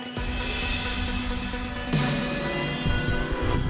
aku sudah capek sama kamu ricky